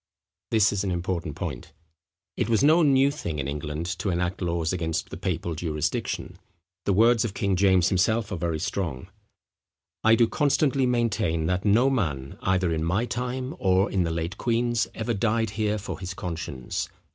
This is an important point. It was no new thing in England to enact laws against the papal jurisdiction. The words of King James himself are very strong: "I do constantly maintain, that no man, either in my time, or in the late queen's, ever died here for his conscience.